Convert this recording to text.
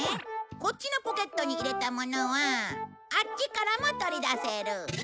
こっちのポケットに入れたものはあっちからも取り出せる。